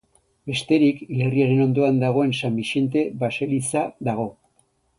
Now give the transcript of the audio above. Bestetik, hilerriaren ondoan dagoen San Bixente baseliza dago.